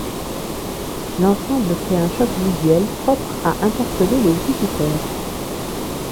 L'ensemble crée un choc visuel propre à interpeller le visiteur.